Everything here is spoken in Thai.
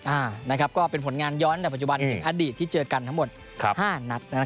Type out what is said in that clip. อ่านะครับก็เป็นผลงานย้อนแต่ปัจจุบันถึงอดีตที่เจอกันทั้งหมดครับห้านัดนะครับ